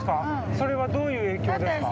それはどういう影響ですか？